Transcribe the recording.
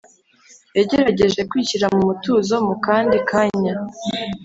yagerageje kwishyira mumutuzo mukandi kanya